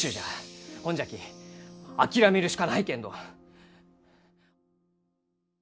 ほんじゃき諦めるしかないけんど。